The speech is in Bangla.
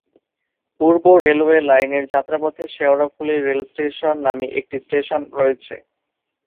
পূর্ব রেলওয়ে লাইনের যাত্রাপথে শেওড়াফুলি রেলস্টেশন নামে একটি স্টেশন রয়েছে।